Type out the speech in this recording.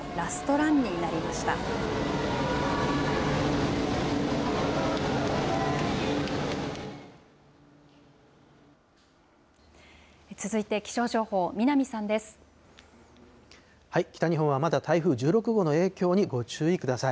北日本はまだ台風１６号の影響にご注意ください。